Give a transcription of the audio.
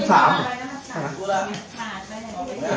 เอาล่ะ